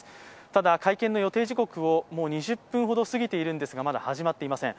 ただ、会見の予定時刻を２０分ほど過ぎているんですが、まだ始まっていません。